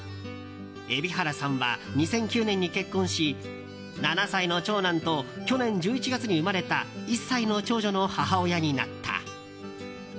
蛯原さんは２００９年に結婚し７歳の長男と去年１１月に生まれた１歳の長女の母親になった。